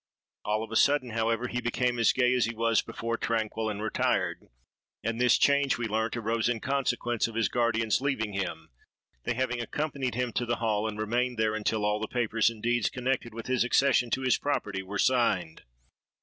All of a sudden, however, he became as gay as he was before tranquil and retired; and this change, we learnt, arose in consequence of his guardians leaving him, they having accompanied him to the Hall and remained there until all the papers and deeds connected with his accession to his property were signed.